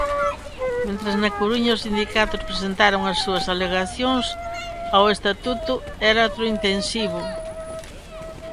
Mentres, na Coruña, os sindicatos presentaron as súas alegacións ao Estatuto Electrointensivo.